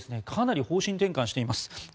かなり方針転換しています。